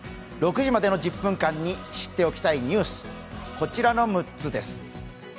６時までの１０分間に知っておきたいニュース、こちらの６つです。